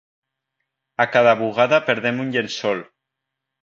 A cada bugada perdem un llençol